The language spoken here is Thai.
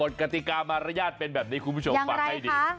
กติกามารยาทเป็นแบบนี้คุณผู้ชมฟังให้ดี